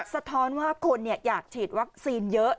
สะท้อนว่าคนอยากฉีดวัคซีนเยอะ